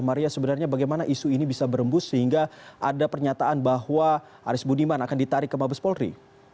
maria sebenarnya bagaimana isu ini bisa berembus sehingga ada pernyataan bahwa aris budiman akan ditarik ke mabes polri